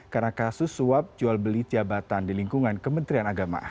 karena kasus suap jual beli tiabatan di lingkungan kementerian agama